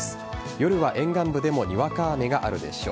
夜は、沿岸部でもにわか雨があるでしょう。